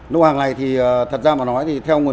nô hàng này thì thật ra mà nói thì theo người